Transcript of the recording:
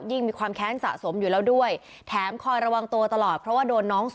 ยิ่งมีความแค้นสะสมอยู่แล้วด้วย